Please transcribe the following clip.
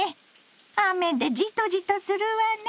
雨でじとじとするわね。